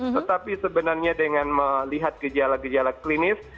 tetapi sebenarnya dengan melihat gejala gejala klinis